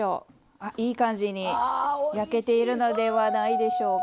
あっいい感じに焼けているのではないでしょうか。